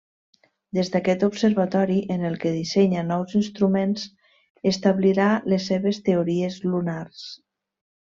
Des d'aquest observatori, en el que dissenya nous instruments, establirà les seves teories lunars.